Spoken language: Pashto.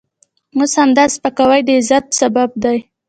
اوس همدا سپکاوی د عزت سبب دی.